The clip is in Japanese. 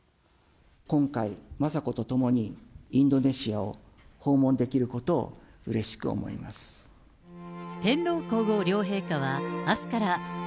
今回、雅子と共にインドネシアを訪問できることをうれしく思曇りで干すとクサくなるかなぁ。